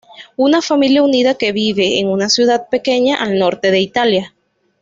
Una familia unida que vive en una ciudad pequeña al norte de Italia.